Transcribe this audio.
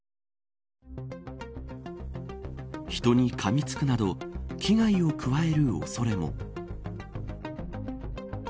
人にかみつくなど危害を加える恐れも。